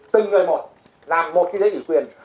từng người một làm một cái thủ tục quý quyền